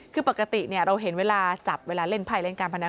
คือปกติเราเห็นเวลาจับเวลาเล่นภัยเล่นการพนัน